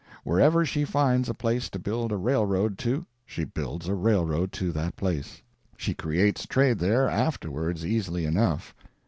Wherever she finds a place to build a railroad to she builds a railroad to that place. She creates trade there afterwards easily enough.